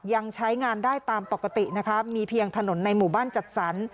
ยังใช้งานได้ตามปกตินะคะมีเพียงถนนในหมู่บ้านจัดสรร